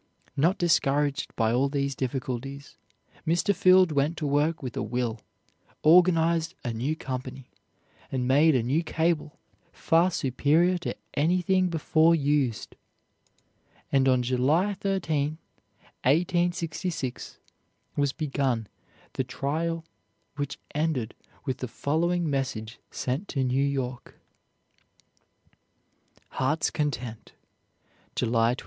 Not discouraged by all these difficulties, Mr. Field went to work with a will, organized a new company, and made a new cable far superior to anything before used, and on July 13, 1866, was begun the trial which ended with the following message sent to New York: "HEART'S CONTENT, July 27.